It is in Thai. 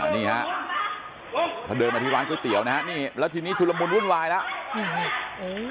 นี่ฮะเขาเดินมาที่ร้านก๋วยเตี๋ยวนะฮะนี่แล้วทีนี้ชุดละมุนวุ่นวายแล้ว